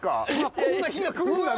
こんな日が来るんだね。